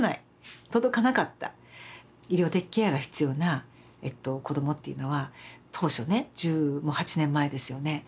医療的ケアが必要な子どもっていうのは当初ね１８年前ですよね